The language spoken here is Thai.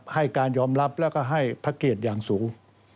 ให้การยอมรับแล้วก็ให้พระเกตอย่างสูง